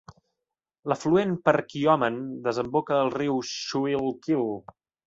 L'afluent Perkiomen desemboca al riu Schuylkill.